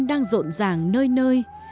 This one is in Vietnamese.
đang rộn ràng nơi nơi